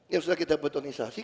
yang sudah kita betonisasi